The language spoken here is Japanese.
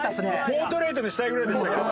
ポートレートにしたいぐらいでしたけど。